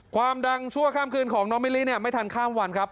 ความดังชั่วข้ามคืนของน้องมิลิเนี่ยไม่ทันข้ามวันครับ